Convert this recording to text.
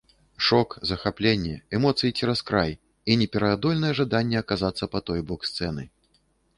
Шок, захапленне, эмоцыі цераз край і непераадольнае жаданне аказацца па той бок сцэны.